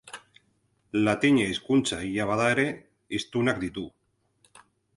Latina hizkuntza hila bada ere, hiztunak ditu.